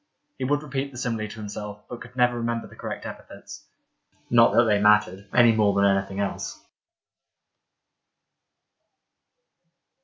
He would repeat the simile to himself, but could never remember the correct epithets. Not that they mattered — any more than anything else.